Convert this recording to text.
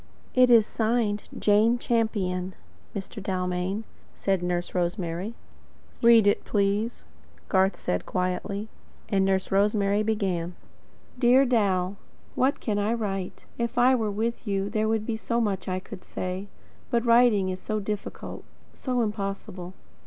"It is signed 'Jane Champion,' Mr. Dalmain," said Nurse Rosemary. "Read it, please," said Garth quietly. And Nurse Rosemary began. Dear Dal: What CAN I write? If I were with you, there would be so much I could say; but writing is so difficult, so impossible.